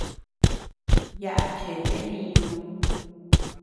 Yaʼa chete mniñu.